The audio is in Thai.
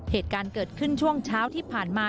เหตุการณ์เกิดขึ้นช่วงเช้าที่ผ่านมา